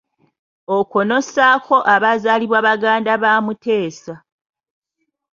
Okwo n'ossaako abaazaalibwa baganda ba Mutesa.